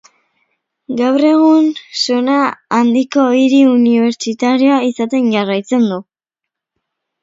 Gaur egun sona handiko hiri unibertsitarioa izaten jarraitzen du.